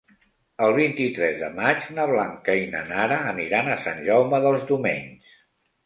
El vint-i-tres de maig na Blanca i na Nara aniran a Sant Jaume dels Domenys.